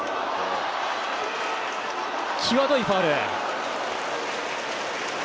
際どいファウル。